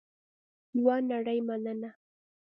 یوه نړۍ مننه